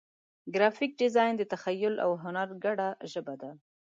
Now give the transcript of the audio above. ګرافیک ډیزاین د تخیل او هنر ګډه ژبه ده.